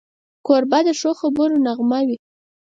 کوربه د ښو خبرو نغمه وي.